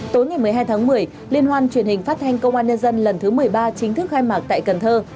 tối ngày một mươi hai tháng một mươi liên hoan truyền hình phát thanh công an nhân dân lần thứ một mươi ba chính thức khai mạc tại cần thơ